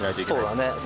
そうだね。